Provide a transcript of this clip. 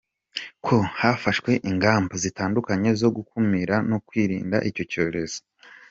ko hafashwe ingamba zitandukanye zo gukumira no kwirinda icyo cyorezo.